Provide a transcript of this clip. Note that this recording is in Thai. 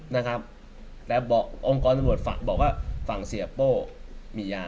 นะครับแต่บอกองค์กรตำรวจฝากบอกว่าฝั่งเสียโป้มียา